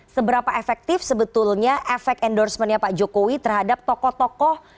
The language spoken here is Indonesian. seberapa efektif sebetulnya efek endorsementnya pak jokowi terhadap tokoh tokoh